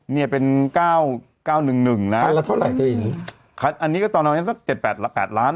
เนี่ยเป็นเก้าเก้าหนึ่งหนึ่งนะคันละเท่าไหร่เธออย่างนี้อันนี้ก็ตอนนั้นสักเจ็ดแปดละแปดล้าน